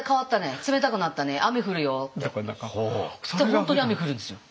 本当に雨降るんですよ。